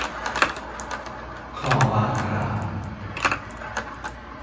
คลองบางกร่าง